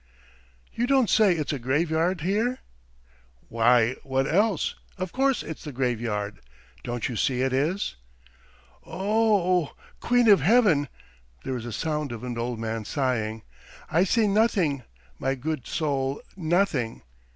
"You don't say it's a graveyard here?" "Why, what else? Of course it's the graveyard! Don't you see it is?" "O o oh ... Queen of Heaven!" there is a sound of an old man sighing. "I see nothing, my good soul, nothing.